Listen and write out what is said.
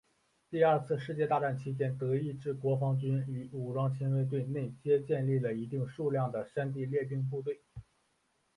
第二次世界大战期间的德意志国防军与武装亲卫队内皆建立了一定数量的山地猎兵部队。